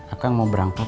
akan mau berangkat